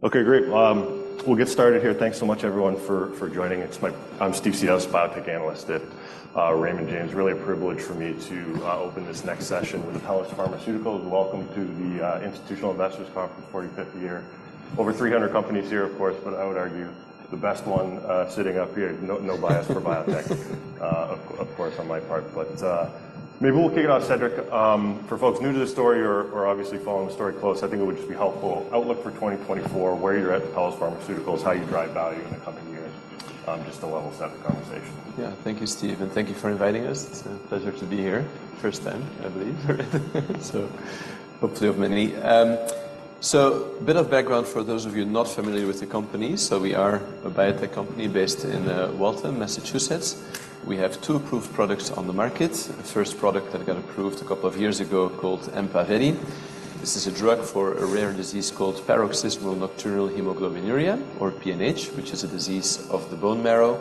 Okay, great. We'll get started here. Thanks so much, everyone, for joining. It's. I'm Steven Seedhouse, biotech analyst at Raymond James. Really a privilege for me to open this next session with Apellis Pharmaceuticals. Welcome to the Institutional Investors Conference 45th year. Over 300 companies here, of course, but I would argue the best one sitting up here. No, no bias for biotech, of course on my part. But maybe we'll kick it off, Cedric. For folks new to the story or obviously following the story close, I think it would just be helpful: outlook for 2024, where you're at with Apellis Pharmaceuticals, how you drive value in the coming years, just to level set the conversation. Yeah, thank you, Steve, and thank you for inviting us. It's a pleasure to be here. First time, I believe, right? So hopefully of many. So bit of background for those of you not familiar with the company. So we are a biotech company based in Waltham, Massachusetts. We have two approved products on the market. First product that got approved a couple of years ago called EMPAVELI. This is a drug for a rare disease called paroxysmal nocturnal hemoglobinuria, or PNH, which is a disease of the bone marrow.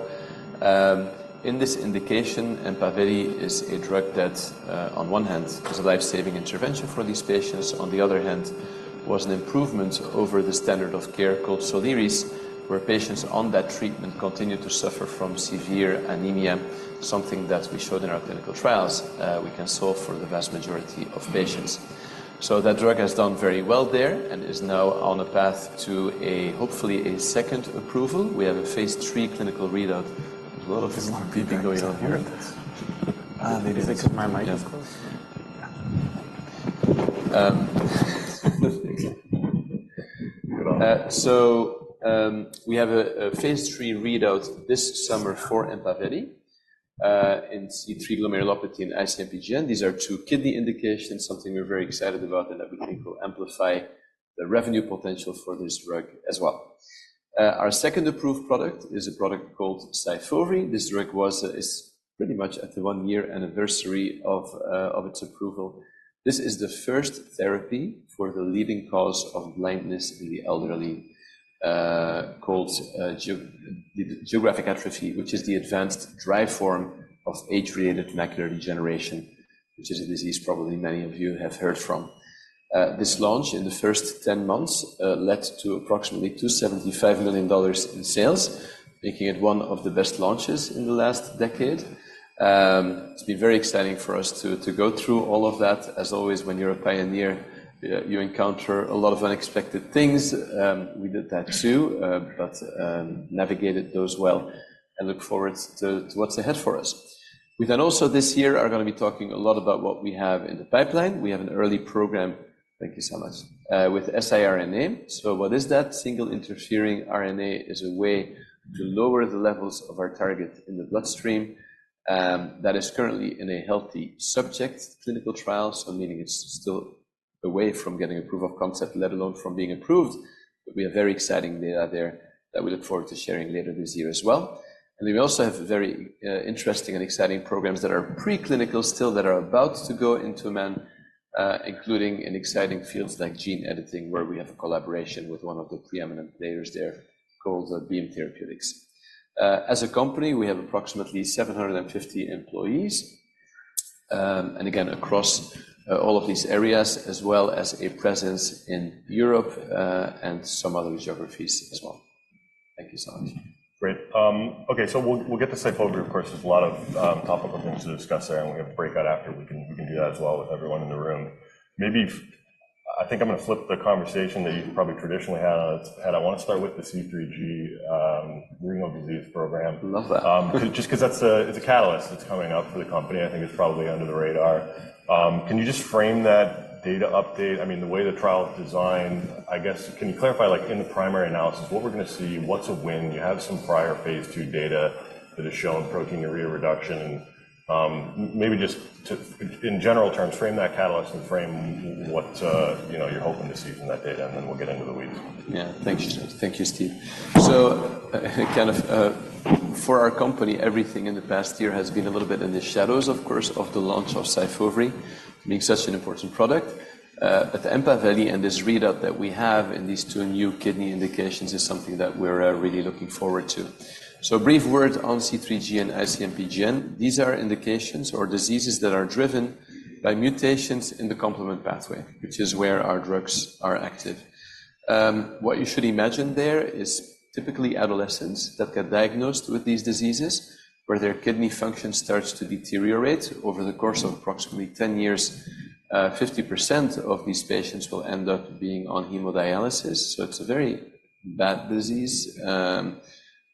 In this indication, EMPAVELI is a drug that, on one hand is a lifesaving intervention for these patients, on the other hand was an improvement over the standard of care called Soliris, where patients on that treatment continue to suffer from severe anemia, something that we showed in our clinical trials, we can solve for the vast majority of patients. So that drug has done very well there and is now on a path to a, hopefully, a second approval. We have a phase 3 clinical readout. There's a lot of beeping going on here. Maybe because my mic is close. Yeah. So, we have a phase 3 readout this summer for EMPAVELI in C3 glomerulopathy and IC-MPGN. These are two kidney indications, something we're very excited about, and that we think will amplify the revenue potential for this drug as well. Our second approved product is a product called SYFOVRE. This drug was, is pretty much at the one year anniversary of its approval. This is the first therapy for the leading cause of blindness in the elderly, called geographic atrophy, which is the advanced dry form of age-related macular degeneration, which is a disease probably many of you have heard from. This launch in the first 10 months led to approximately $275 million in sales, making it one of the best launches in the last decade. It's been very exciting for us to go through all of that. As always, when you're a pioneer, you encounter a lot of unexpected things. We did that too, but navigated those well and look forward to what's ahead for us. We then also this year are going to be talking a lot about what we have in the pipeline. We have an early program, thank you so much, with siRNA. So what is that? Small interfering RNA is a way to lower the levels of our target in the bloodstream. That is currently in a healthy subject clinical trial, so meaning it's still away from getting approval of concept, let alone from being approved. But we have very exciting data there that we look forward to sharing later this year as well. And then we also have very interesting and exciting programs that are preclinical still that are about to go into man, including in exciting fields like gene editing, where we have a collaboration with one of the preeminent players there called Beam Therapeutics. As a company, we have approximately 750 employees, and again, across all of these areas, as well as a presence in Europe, and some other geographies as well. Thank you so much. Great. Okay, so we'll, we'll get to SYFOVRE, of course. There's a lot of topical things to discuss there, and we have a breakout after. We can, we can do that as well with everyone in the room. Maybe I think I'm going to flip the conversation that you've probably traditionally had on its head. I want to start with the C3G renal disease program. Love that. Just because that's—it's a catalyst that's coming up for the company. I think it's probably under the radar. Can you just frame that data update? I mean, the way the trial's designed, I guess can you clarify, like, in the primary analysis, what we're going to see? What's a win? You have some prior phase 2 data that has shown proteinuria reduction. Maybe just to, in general terms, frame that catalyst and frame what, you know, you're hoping to see from that data, and then we'll get into the weeds. Yeah, thank you. Thank you, Steve. So, kind of, for our company, everything in the past year has been a little bit in the shadows, of course, of the launch of SYFOVRE, being such an important product. But the EMPAVELI and this readout that we have in these two new kidney indications is something that we're, really looking forward to. So brief words on C3G and IC-MPGN. These are indications or diseases that are driven by mutations in the complement pathway, which is where our drugs are active. What you should imagine there is typically adolescents that get diagnosed with these diseases, where their kidney function starts to deteriorate. Over the course of approximately 10 years, 50% of these patients will end up being on hemodialysis. So it's a very bad disease,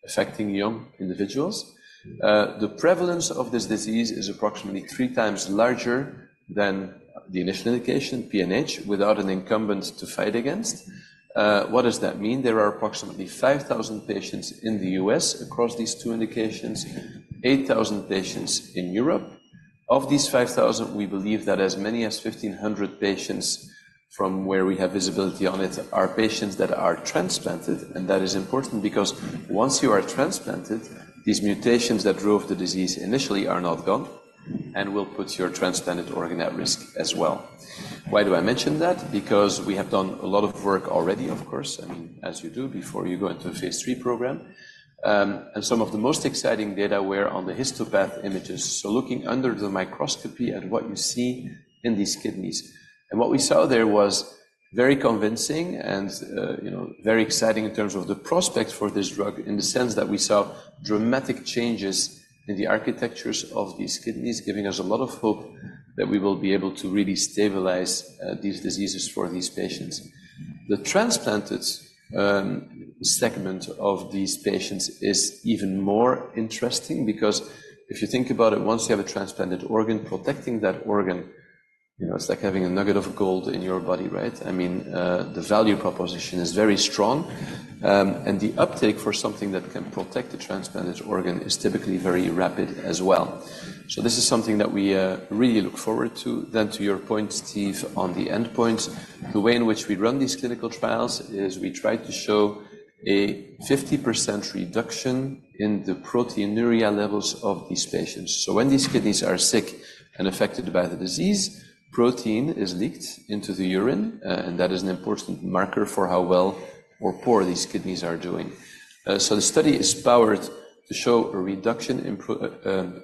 affecting young individuals. The prevalence of this disease is approximately three times larger than the initial indication, PNH, without an incumbent to fight against. What does that mean? There are approximately 5,000 patients in the U.S. across these two indications, 8,000 patients in Europe. Of these 5,000, we believe that as many as 1,500 patients from where we have visibility on it are patients that are transplanted. And that is important because once you are transplanted, these mutations that drove the disease initially are not gone and will put your transplanted organ at risk as well. Why do I mention that? Because we have done a lot of work already, of course, I mean, as you do before you go into a phase 3 program. Some of the most exciting data were on the histopathology images, so looking under the microscope at what you see in these kidneys. What we saw there was very convincing and, you know, very exciting in terms of the prospects for this drug, in the sense that we saw dramatic changes in the architectures of these kidneys, giving us a lot of hope that we will be able to really stabilize these diseases for these patients. The transplanted segment of these patients is even more interesting because if you think about it, once you have a transplanted organ, protecting that organ, you know, it's like having a nugget of gold in your body, right? I mean, the value proposition is very strong, and the uptake for something that can protect a transplanted organ is typically very rapid as well. This is something that we really look forward to. Then, to your point, Steve, on the endpoints, the way in which we run these clinical trials is we try to show a 50% reduction in the proteinuria levels of these patients. So when these kidneys are sick and affected by the disease, protein is leaked into the urine, and that is an important marker for how well or poor these kidneys are doing. So the study is powered to show a reduction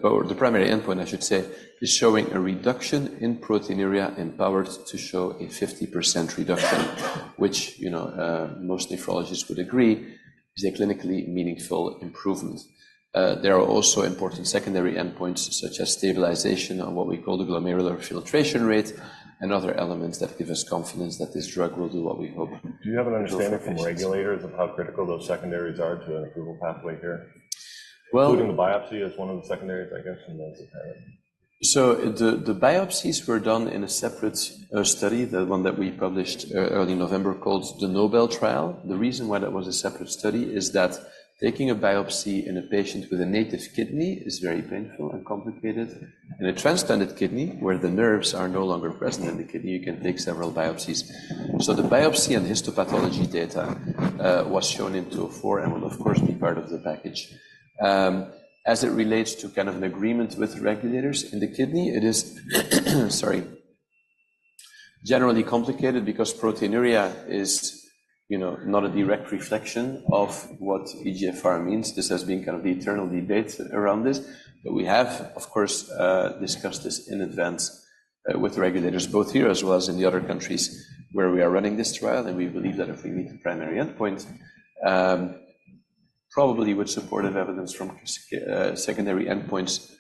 or the primary endpoint, I should say, is showing a reduction in proteinuria and powered to show a 50% reduction, which, you know, most nephrologists would agree is a clinically meaningful improvement. There are also important secondary endpoints such as stabilization of what we call the glomerular filtration rate and other elements that give us confidence that this drug will do what we hope. Do you have an understanding from regulators of how critical those secondaries are to an approval pathway here, including the biopsy as one of the secondaries, I guess, from those that have it? So the biopsies were done in a separate study, the one that we published early November, called the NOBLE trial. The reason why that was a separate study is that taking a biopsy in a patient with a native kidney is very painful and complicated. In a transplanted kidney, where the nerves are no longer present in the kidney, you can take several biopsies. So the biopsy and histopathology data was shown in 2004 and will, of course, be part of the package. As it relates to kind of an agreement with regulators in the kidney, it is, sorry, generally complicated because proteinuria is, you know, not a direct reflection of what eGFR means. This has been kind of the eternal debate around this. But we have, of course, discussed this in advance, with regulators both here as well as in the other countries where we are running this trial. And we believe that if we meet the primary endpoints, probably with supportive evidence from secondary endpoints,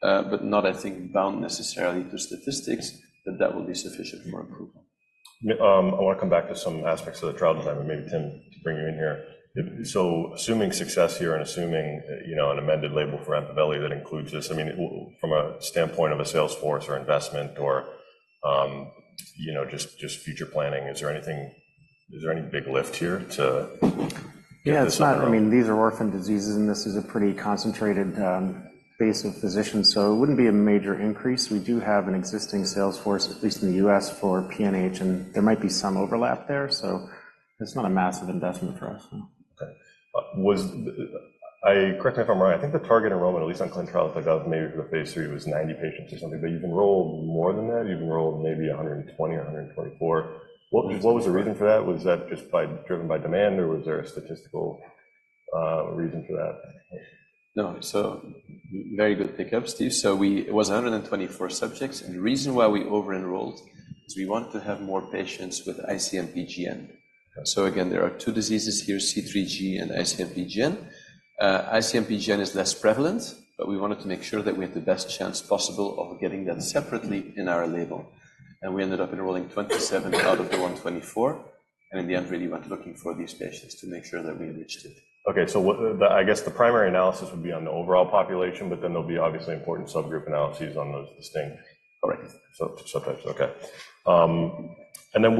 but not, I think, bound necessarily to statistics, that that will be sufficient for approval. Yeah, I want to come back to some aspects of the trial design, but maybe, Tim, to bring you in here. So assuming success here and assuming, you know, an amended label for EMPAVELI that includes this, I mean, from a standpoint of a sales force or investment or, you know, just, just future planning, is there anything is there any big lift here to get this? Yeah, it's not. I mean, these are orphan diseases, and this is a pretty concentrated, base of physicians, so it wouldn't be a major increase. We do have an existing sales force, at least in the U.S., for PNH, and there might be some overlap there. So it's not a massive investment for us, no. Okay. Correct me if I'm wrong. I think the target enrollment, at least on ClinicalTrials.gov, maybe for the phase 3 was 90 patients or something, but you've enrolled more than that. You've enrolled maybe 120 or 124. What, what was the reason for that? Was that just driven by demand, or was there a statistical reason for that? No, so very good pickup, Steve. So, it was 124 subjects. And the reason why we over-enrolled is we wanted to have more patients with IC-MPGN. So again, there are two diseases here, C3G and IC-MPGN. IC-MPGN is less prevalent, but we wanted to make sure that we had the best chance possible of getting that separately in our label. And we ended up enrolling 27 out of the 124, and in the end, really went looking for these patients to make sure that we reached it. Okay, so what, I guess, the primary analysis would be on the overall population, but then there'll be obviously important subgroup analyses on those distinct subtypes. Correct. Subtypes, okay. And then,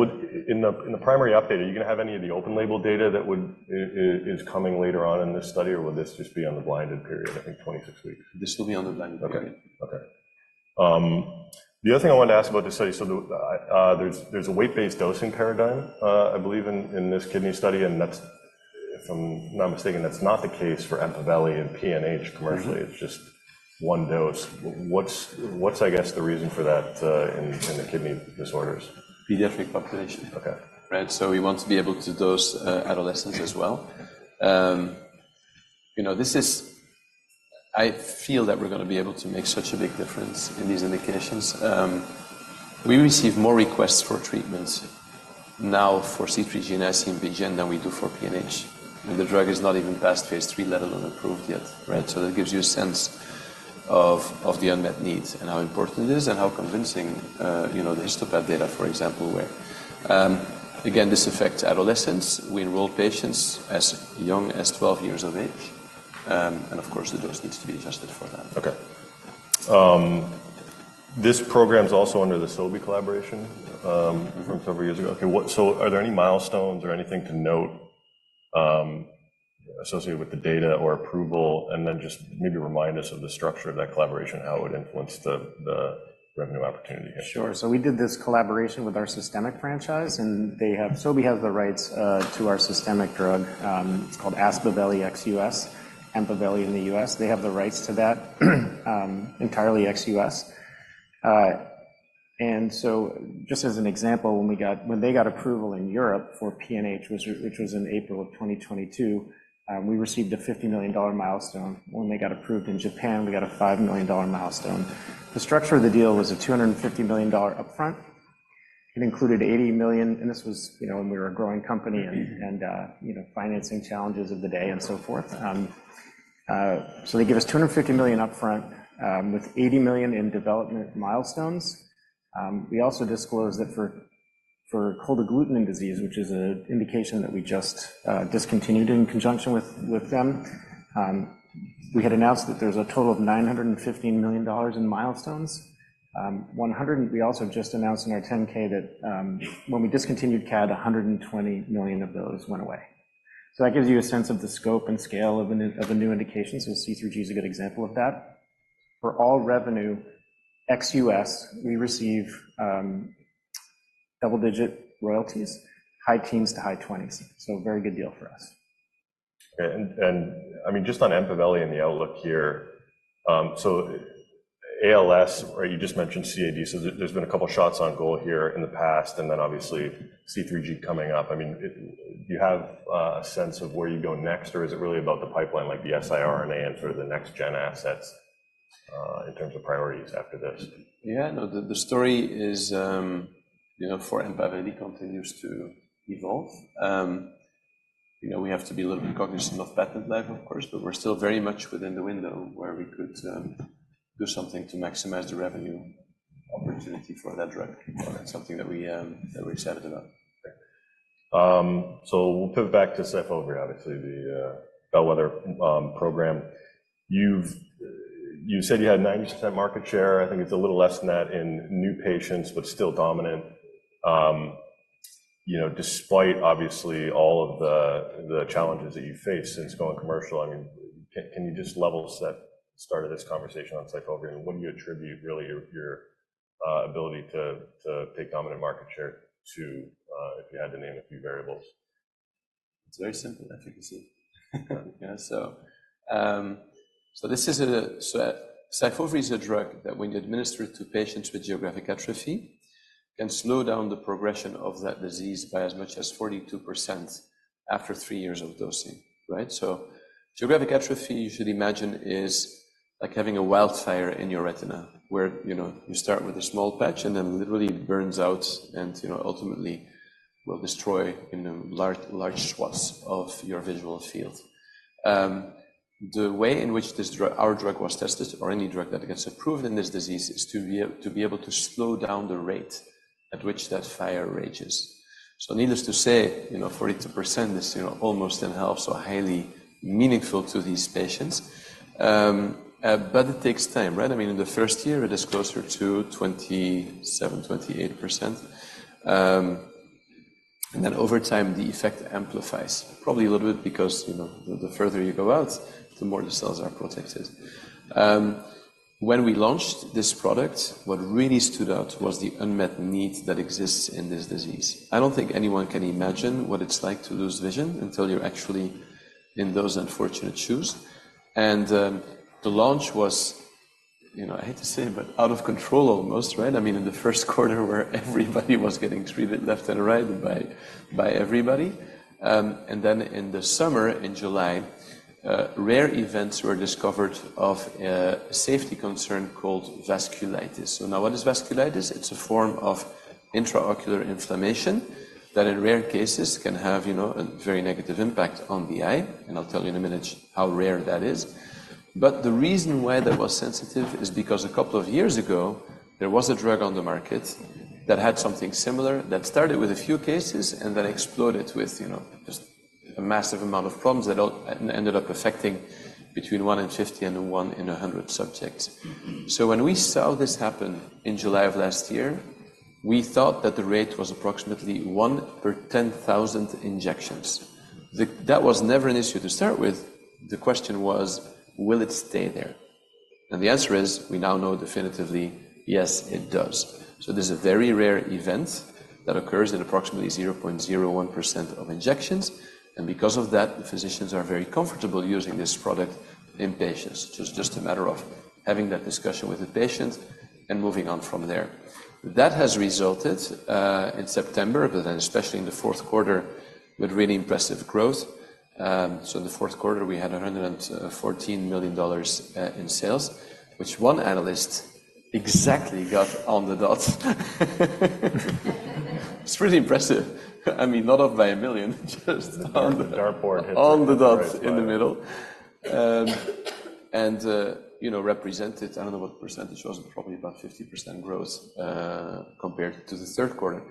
in the primary update, are you going to have any of the open-label data that is coming later on in this study, or will this just be on the blinded period? I think 26 weeks. This will be on the blinded period. Okay, okay. The other thing I wanted to ask about this study, so there's a weight-based dosing paradigm, I believe, in this kidney study. And that's, if I'm not mistaken, not the case for EMPAVELI and PNH commercially. It's just one dose. What's the reason for that, I guess, in the kidney disorders? Pediatric population. Okay. Right? So we want to be able to dose adolescents as well. You know, this is, I feel, that we're going to be able to make such a big difference in these indications. We receive more requests for treatments now for C3G and IC-MPGN than we do for PNH. And the drug is not even past phase three, let alone approved yet, right? So that gives you a sense of the unmet needs and how important it is and how convincing, you know, the histopathology data, for example, were. Again, this affects adolescents. We enroll patients as young as 12 years of age. And of course, the dose needs to be adjusted for that. Okay. This program's also under the Sobi collaboration, from several years ago. Okay, so are there any milestones or anything to note, associated with the data or approval, and then just maybe remind us of the structure of that collaboration, how it would influence the, the revenue opportunity here? Sure. So we did this collaboration with our systemic franchise, and they have Sobi has the rights to our systemic drug. It's called ASPAVELI ex-US, EMPAVELI in the US. They have the rights to that, entirely ex-US. And so just as an example, when they got approval in Europe for PNH, which was in April of 2022, we received a $50 million milestone. When they got approved in Japan, we got a $5 million milestone. The structure of the deal was a $250 million upfront. It included $80 million and this was, you know, when we were a growing company and, you know, financing challenges of the day and so forth. So they gave us $250 million upfront, with $80 million in development milestones. We also disclosed that for Cold Agglutinin disease, which is an indication that we just discontinued in conjunction with them, we had announced that there's a total of $915 million in milestones. We also just announced in our 10-K that, when we discontinued CAD, $120 million of those went away. So that gives you a sense of the scope and scale of a new indication. So C3G is a good example of that. For all revenue ex-US, we receive double-digit royalties, high teens-high twenties. So a very good deal for us. Okay, and I mean, just on EMPAVELI and the outlook here, so ALS, right, you just mentioned CAD. So there's been a couple of shots on goal here in the past, and then obviously C3G coming up. I mean, do you have a sense of where you go next, or is it really about the pipeline, like the siRNA and sort of the next-gen assets, in terms of priorities after this? Yeah, no, the story is, you know, for EMPAVELI continues to evolve. You know, we have to be a little bit cognizant of patent life, of course, but we're still very much within the window where we could do something to maximize the revenue opportunity for that drug. It's something that we're excited about. Okay. So we'll pivot back to SYFOVRE, obviously, the bellwether program. You said you had 90% market share. I think it's a little less than that in new patients, but still dominant, you know, despite, obviously, all of the challenges that you face since going commercial. I mean, can you just level set started this conversation on SYFOVRE, and what do you attribute, really, your ability to take dominant market share to, if you had to name a few variables? It's very simple, I think, is it? Yeah, so this is SYFOVRE is a drug that when you administer it to patients with geographic atrophy, can slow down the progression of that disease by as much as 42% after three years of dosing, right? So geographic atrophy, you should imagine, is like having a wildfire in your retina, where, you know, you start with a small patch, and then literally it burns out and, you know, ultimately will destroy, you know, large, large swaths of your visual field. The way in which this drug, our drug, was tested, or any drug that gets approved in this disease, is to be able to slow down the rate at which that fire rages. So needless to say, you know, 42% is, you know, almost in health, so highly meaningful to these patients. But it takes time, right? I mean, in the first year, it is closer to 27%-28%. And then over time, the effect amplifies, probably a little bit because, you know, the further you go out, the more the cells are protected. When we launched this product, what really stood out was the unmet need that exists in this disease. I don't think anyone can imagine what it's like to lose vision until you're actually in those unfortunate shoes. And the launch was, you know, I hate to say it, but out of control almost, right? I mean, in the first quarter, where everybody was getting treated left and right by, by everybody. And then in the summer, in July, rare events were discovered of a safety concern called vasculitis. So now, what is vasculitis? It's a form of intraocular inflammation that, in rare cases, can have, you know, a very negative impact on the eye. I'll tell you in a minute how rare that is. The reason why that was sensitive is because a couple of years ago, there was a drug on the market that had something similar that started with a few cases and then exploded with, you know, just a massive amount of problems that all ended up affecting between one in 50 and one in 100 subjects. When we saw this happen in July of last year, we thought that the rate was approximately 1 per 10,000 injections. That was never an issue to start with. The question was, will it stay there? The answer is, we now know definitively, yes, it does. There's a very rare event that occurs in approximately 0.01% of injections. Because of that, the physicians are very comfortable using this product in patients. It's just a matter of having that discussion with the patient and moving on from there. That has resulted in September, but then especially in the fourth quarter, with really impressive growth. So in the fourth quarter, we had $114 million in sales, which one analyst exactly got on the dot. It's pretty impressive. I mean, not off by a million, just on the. The dartboard hit the. On the dot in the middle. And, you know, represented I don't know what percentage it was, but probably about 50% growth, compared to the third quarter.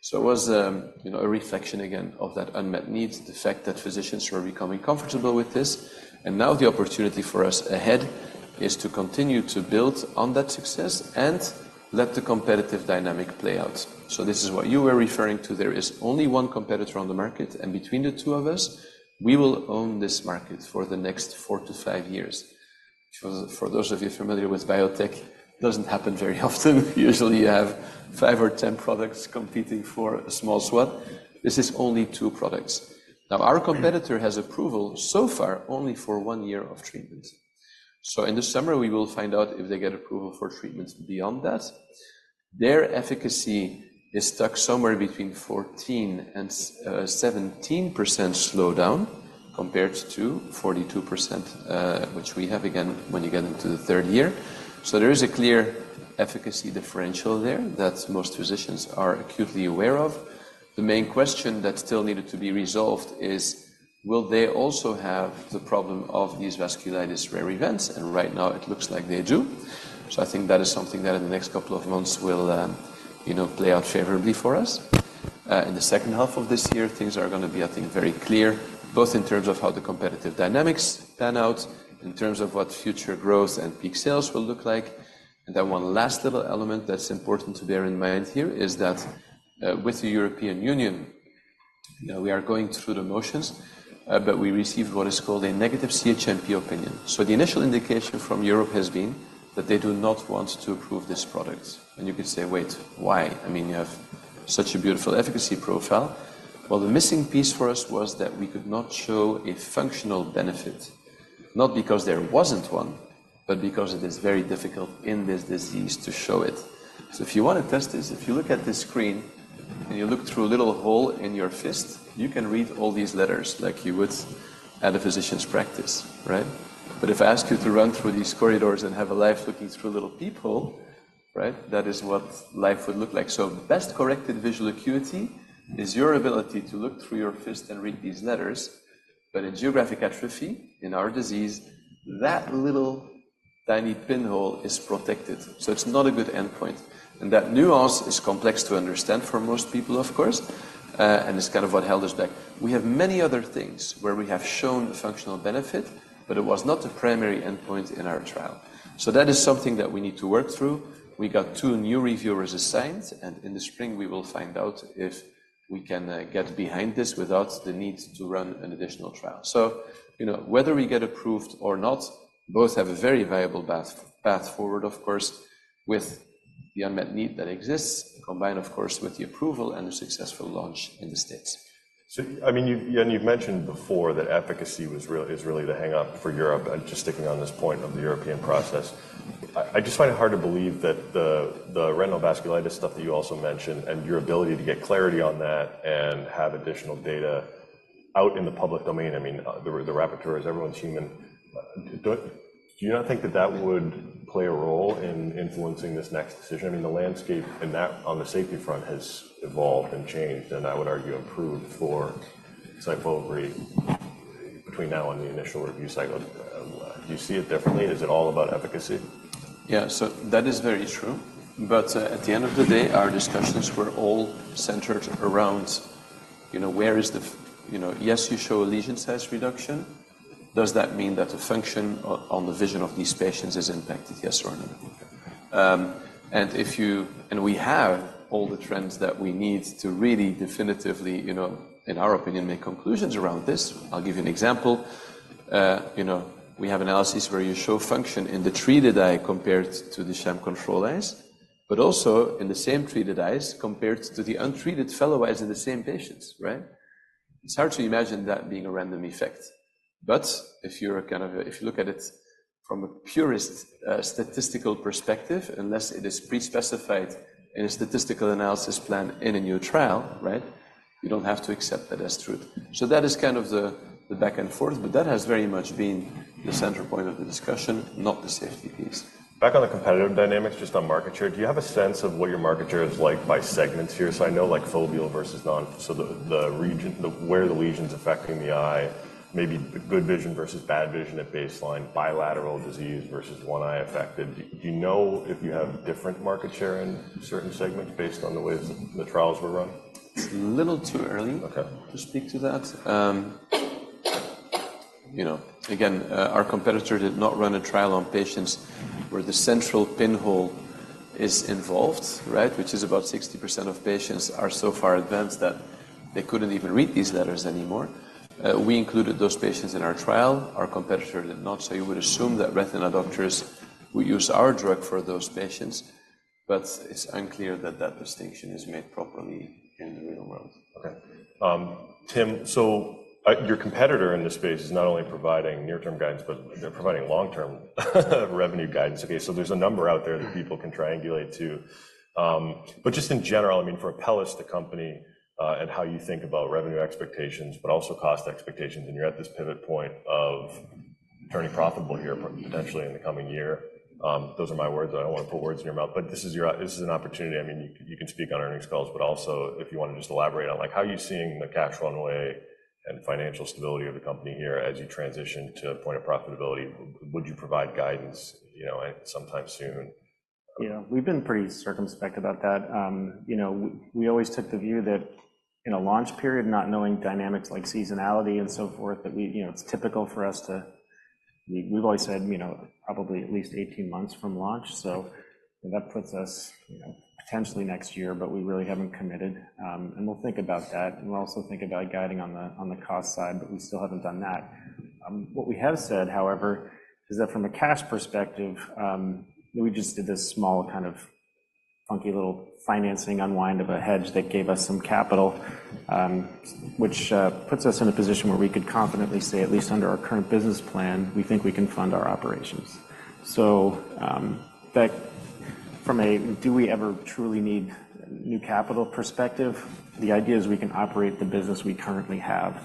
So it was, you know, a reflection, again, of that unmet need, the fact that physicians were becoming comfortable with this. And now the opportunity for us ahead is to continue to build on that success and let the competitive dynamic play out. So this is what you were referring to. There is only one competitor on the market, and between the two of us, we will own this market for the next four to five years. For those of you familiar with biotech, it doesn't happen very often. Usually, you havefiveor 10 products competing for a small swath. This is only two products. Now, our competitor has approval so far only for one year of treatments. So in the summer, we will find out if they get approval for treatments beyond that. Their efficacy is stuck somewhere between 14%-17% slowdown compared to 42%, which we have, again, when you get into the third year. So there is a clear efficacy differential there that most physicians are acutely aware of. The main question that still needed to be resolved is, will they also have the problem of these vasculitis rare events? And right now, it looks like they do. So I think that is something that, in the next couple of months, will, you know, play out favorably for us. In the second half of this year, things are going to be, I think, very clear, both in terms of how the competitive dynamics pan out, in terms of what future growth and peak sales will look like. And then one last little element that's important to bear in mind here is that, with the European Union, you know, we are going through the motions, but we received what is called a negative CHMP opinion. So the initial indication from Europe has been that they do not want to approve this product. And you could say, wait, why? I mean, you have such a beautiful efficacy profile. Well, the missing piece for us was that we could not show a functional benefit, not because there wasn't one, but because it is very difficult in this disease to show it. So if you want to test this, if you look at this screen and you look through a little hole in your fist, you can read all these letters like you would at a physician's practice, right? But if I ask you to run through these corridors and have a life looking through little peephole, right, that is what life would look like. So best-corrected visual acuity is your ability to look through your fist and read these letters. But in Geographic Atrophy, in our disease, that little tiny pinhole is protected. So it's not a good endpoint. And that nuance is complex to understand for most people, of course, and it's kind of what held us back. We have many other things where we have shown a functional benefit, but it was not the primary endpoint in our trial. So that is something that we need to work through. We got two new reviewers assigned, and in the spring, we will find out if we can get behind this without the need to run an additional trial. So, you know, whether we get approved or not, both have a very viable path forward, of course, with the unmet need that exists, combined, of course, with the approval and the successful launch in the States. So, I mean, you've mentioned before that efficacy really is the hang-up for Europe. And just sticking on this point of the European process. I just find it hard to believe that the retinal vasculitis stuff that you also mentioned and your ability to get clarity on that and have additional data out in the public domain. I mean, the rapporteurs, everyone's human. Do you not think that that would play a role in influencing this next decision? I mean, the landscape in that on the safety front has evolved and changed, and I would argue improved, for SYFOVRE between now and the initial review cycle. Do you see it differently? Is it all about efficacy? Yeah, so that is very true. But at the end of the day, our discussions were all centered around, you know, where is the you know, yes, you show a lesion size reduction. Does that mean that the function on the vision of these patients is impacted, yes or no? And if you and we have all the trends that we need to really definitively, you know, in our opinion, make conclusions around this. I'll give you an example. You know, we have analyses where you show function in the treated eye compared to the sham control eyes, but also in the same treated eyes compared to the untreated fellow eyes in the same patients, right? It's hard to imagine that being a random effect. But if you're kind of, if you look at it from a purist's statistical perspective, unless it is pre-specified in a statistical analysis plan in a new trial, right, you don't have to accept that as true. So that is kind of the back-and-forth, but that has very much been the center point of the discussion, not the safety piece. Back on the competitive dynamics, just on market share, do you have a sense of what your market share is like by segments here? So I know, like, foveal versus nonfoveal so the region where the lesion's affecting the eye, maybe good vision versus bad vision at baseline, bilateral disease versus one eye affected. Do you know if you have different market share in certain segments based on the ways the trials were run? It's a little too early to speak to that. You know, again, our competitor did not run a trial on patients where the central pinhole is involved, right, which is about 60% of patients are so far advanced that they couldn't even read these letters anymore. We included those patients in our trial. Our competitor did not. So you would assume that retina doctors would use our drug for those patients. But it's unclear that that distinction is made properly in the real world. Okay. Tim, so your competitor in this space is not only providing near-term guidance, but they're providing long-term revenue guidance. Okay, so there's a number out there that people can triangulate to. But just in general, I mean, for Apellis, the company, and how you think about revenue expectations, but also cost expectations, and you're at this pivot point of turning profitable here, potentially, in the coming year. Those are my words. I don't want to put words in your mouth. But this is your opportunity. I mean, you can speak on earnings calls, but also, if you want to just elaborate on, like, how are you seeing the cash runway and financial stability of the company here as you transition to point of profitability? Would you provide guidance, you know, sometime soon? Yeah, we've been pretty circumspect about that. You know, we always took the view that, in a launch period, not knowing dynamics like seasonality and so forth, that we—you know—it's typical for us to—we've always said, you know, probably at least 18 months from launch. So that puts us, you know, potentially next year, but we really haven't committed. We'll think about that. We'll also think about guiding on the cost side, but we still haven't done that. What we have said, however, is that from a cash perspective, we just did this small kind of funky little financing unwind of a hedge that gave us some capital, which puts us in a position where we could confidently say, at least under our current business plan, we think we can fund our operations. So, that from a do we ever truly need new capital perspective, the idea is we can operate the business we currently have.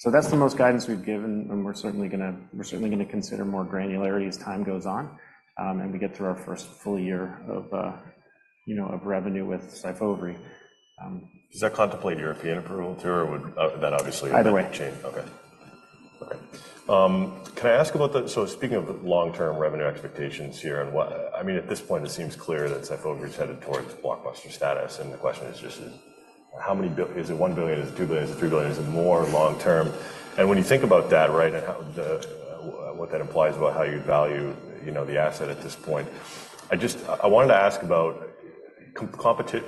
So that's the most guidance we've given, and we're certainly going to we're certainly going to consider more granularity as time goes on, and we get through our first full year of, you know, of revenue with SYFOVRE. Does that contemplate European approval too, or would that obviously change? Either way. Okay. Okay. Can I ask about the so speaking of long-term revenue expectations here and what I mean, at this point, it seems clear that SYFOVRY is headed towards blockbuster status. And the question is just, is how many billion is it $1 billion? Is it $2 billion? Is it $3 billion? Is it more long-term? And when you think about that, right, and how the what that implies about how you value, you know, the asset at this point, I just I wanted to ask about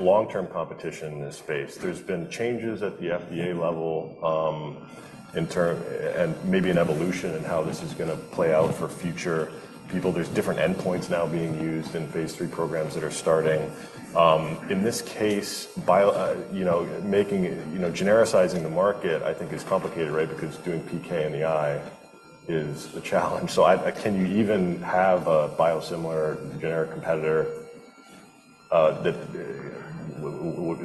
long-term competition in this space. There's been changes at the FDA level, in terms and maybe an evolution in how this is going to play out for future people. There's different endpoints now being used in phase three programs that are starting. In this case, bio you know, making you know, genericizing the market, I think, is complicated, right, because doing PK in the eye is a challenge. So can you even have a biosimilar generic competitor, that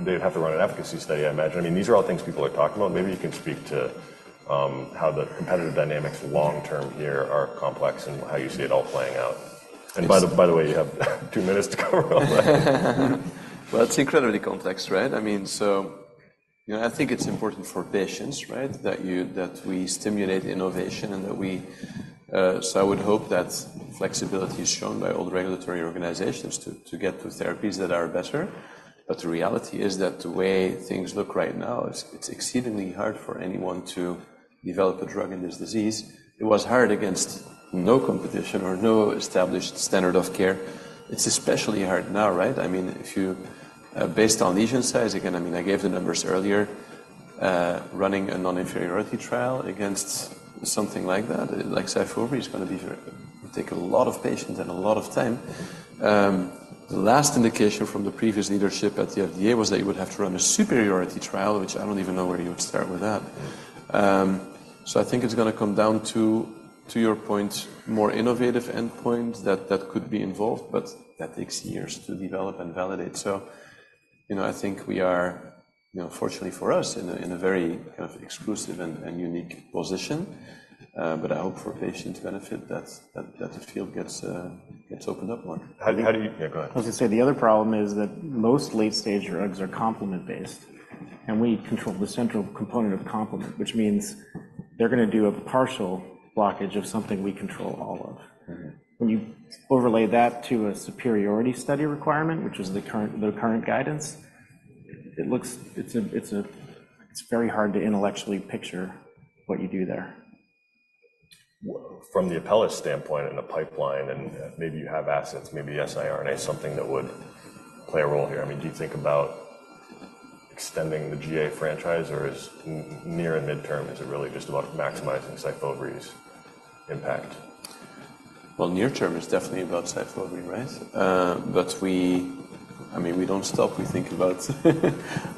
they'd have to run an efficacy study, I imagine? I mean, these are all things people are talking about. Maybe you can speak to, how the competitive dynamics long-term here are complex and how you see it all playing out. And by the way, you have two minutes to cover all that. Well, it's incredibly complex, right? I mean, so, you know, I think it's important for patients, right, that we stimulate innovation and that we so I would hope that flexibility is shown by all the regulatory organizations to get to therapies that are better. But the reality is that the way things look right now, it's exceedingly hard for anyone to develop a drug in this disease. It was hard against no competition or no established standard of care. It's especially hard now, right? I mean, if you based on lesion size again, I mean, I gave the numbers earlier, running a non-inferiority trial against something like that, like SYFOVRE, is going to be very it would take a lot of patients and a lot of time. The last indication from the previous leadership at the FDA was that you would have to run a superiority trial, which I don't even know where you would start with that. So I think it's going to come down to, to your point, more innovative endpoints that could be involved, but that takes years to develop and validate. So, you know, I think we are you know, fortunately for us, in a very kind of exclusive and unique position. But I hope for patient benefit that the field gets opened up more. How do you yeah, go ahead. I was going to say the other problem is that most late-stage drugs are complement-based, and we control the central component of complement, which means they're going to do a partial blockage of something we control all of. When you overlay that to a superiority study requirement, which is the current guidance, it looks it's a very hard to intellectually picture what you do there. From the Apellis standpoint and the pipeline, and maybe you have assets, maybe siRNA, something that would play a role here. I mean, do you think about extending the GA franchise, or is near- and mid-term, is it really just about maximizing SYFOVRE's impact? Well, near-term is definitely about SYFOVRE, right? But, I mean, we don't stop. We think about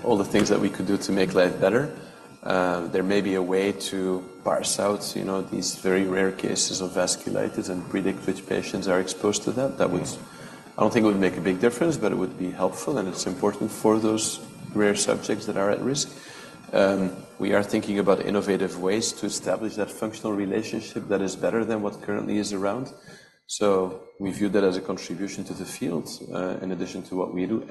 all the things that we could do to make life better. There may be a way to parse out, you know, these very rare cases of vasculitis and predict which patients are exposed to that. I don't think it would make a big difference, but it would be helpful, and it's important for those rare subjects that are at risk. We are thinking about innovative ways to establish that functional relationship that is better than what currently is around. So we view that as a contribution to the field, in addition to what we do.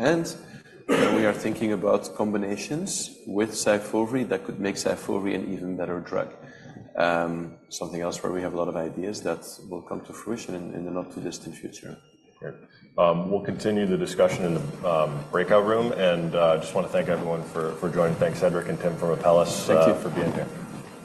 We are thinking about combinations with SYFOVRE that could make SYFOVRE an even better drug, something else where we have a lot of ideas that will come to fruition in the not-too-distant future. Great. We'll continue the discussion in the breakout room. I just want to thank everyone for joining. Thanks, Cedric and Tim, from Apellis, for being here.